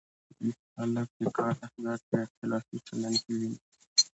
ویښ خلک د کار اهمیت په اختلافي چلن کې ویني.